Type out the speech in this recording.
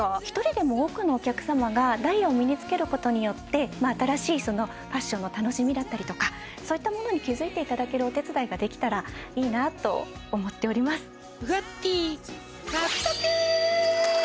一人でも多くのお客様がダイヤを身に着けることによって新しいファッションの楽しみだったりとかそういったものに気付いていただけるお手伝いができたらいいなと思っております